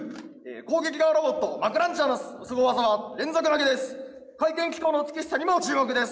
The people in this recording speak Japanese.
攻撃側ロボット「マクランチャー」のすご技は「連続投げ」です。